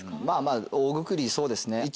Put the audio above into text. まぁまぁ大くくりそうですね